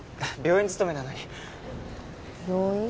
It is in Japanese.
病院勤めなのに病院？